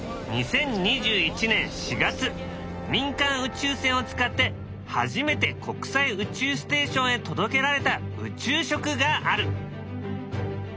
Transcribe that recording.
２０２１年４月民間宇宙船を使って初めて国際宇宙ステーションへ届けられた宇宙食がある。